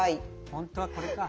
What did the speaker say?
本当はこれか。